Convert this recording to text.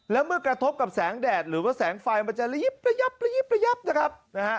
และเมื่อกระทบกับแสงแดดหรือว่าแสงไฟมันจะเลี่ยบนะครับ